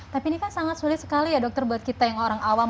tapi ini kan sangat sulit sekali ya dokter buat kita yang orang awam